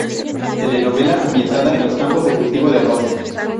Telenovela ambientada en los campos de cultivo de arroz.